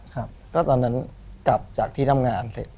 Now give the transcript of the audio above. ครับก็ตอนนั้นกลับจากที่ทำงานเสร็จ